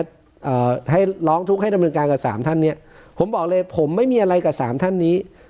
เอ่อให้ร้องทุกข์ให้ดำเนินการกับสามท่านเนี้ยผมบอกเลยผมไม่มีอะไรกับสามท่านนี้